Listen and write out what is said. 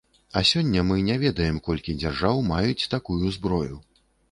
А сёння мы не ведаем, колькі дзяржаў маюць такую зброю.